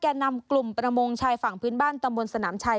นำกลุ่มประมงชายฝั่งพื้นบ้านตำบลสนามชัย